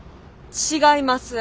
違います！